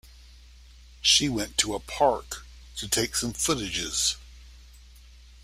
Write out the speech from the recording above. She went to a park to take some footages.